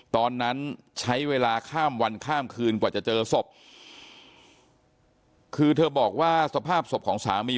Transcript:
ตอนนั้นใช้เวลาข้ามวันข้ามคืนกว่าจะเจอศพคือเธอบอกว่าสภาพศพของสามี